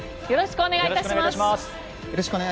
よろしくお願いします。